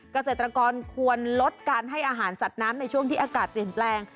เกษตรกรควรลดการให้อาหารสัตว์น้ำในช่วงที่อากาศเปลี่ยนแปลง